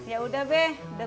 ya udah be